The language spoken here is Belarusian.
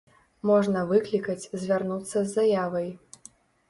Можна выклікаць, звярнуцца з заявай.